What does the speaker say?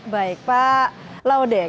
baik pak laude